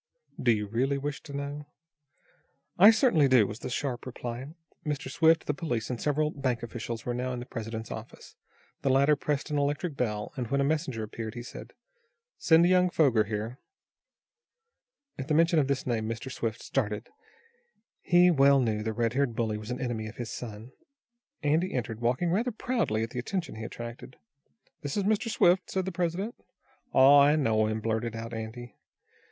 "Do you really wish to know?" "I certainly do," was the sharp reply. Mr. Swift, the police and several bank officials were now in the president's office. The latter pressed an electric bell, and, when a messenger answered, he said: "Send young Foger here." At the mention of this name, Mr. Swift started. He well knew the red haired bully was an enemy of his son. Andy entered, walking rather proudly at the attention he attracted. "This is Mr. Swift," said the president. "Aw, I know him," blurted out Andy.